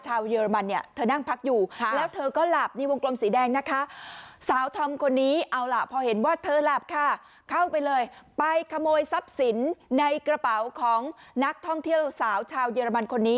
ชาวเยอรมันเนี่ยเธอนั่งพักอยู่